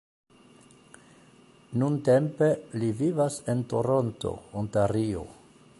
Nuntempe li vivas en Toronto, Ontario.